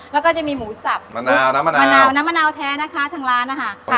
แล้วก็จะมีหมูสับมะนาวน้ำมะนาวมะนาวน้ำมะนาวแท้นะคะทางร้านนะคะ